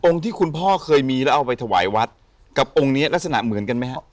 ที่คุณพ่อเคยมีแล้วเอาไปถวายวัดกับองค์นี้ลักษณะเหมือนกันไหมครับ